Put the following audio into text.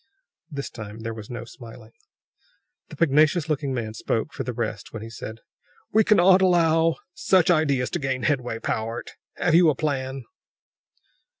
This time there was no smiling. The pugnacious looking man spoke for the rest when he said: "We cannot allow such ideas to gain headway, Powart! Have you a plan?"